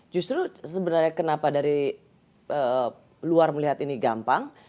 justru sebenarnya kenapa dari luar melihat ini gampang